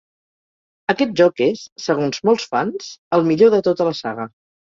Aquest joc és, segons molts fans, el millor de tota la saga.